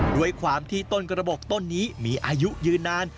ด้วยความที่ต้นกระบบต้นนี้มีอายุยืนนาน